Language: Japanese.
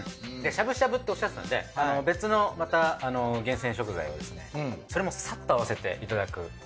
でしゃぶしゃぶっておっしゃってたんで別のまた厳選食材をですねそれもさっと合わせていただく